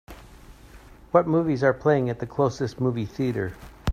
What movies are playing at the closest movie theatre